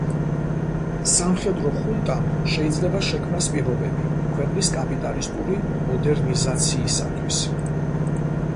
სამხედრო ხუნტამ შეიძლება შექმნას პირობები ქვეყნის კაპიტალისტური მოდერნიზაციისათვის.